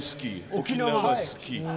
沖縄好き。